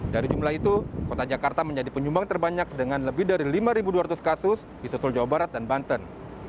dari jumlah itu kota jakarta menjadi penyumbang terbanyak dengan lebih dari lima dua ratus kasus di susul jawa barat dan banten